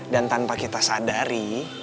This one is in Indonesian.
dan tanpa kita sadari